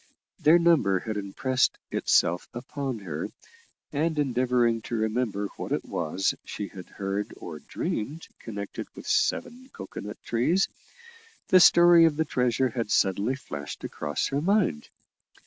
Their number had impressed itself upon her, and, endeavouring to remember what it was she had heard or dreamed connected with seven cocoa nut trees, the story of the treasure had suddenly flashed across her mind.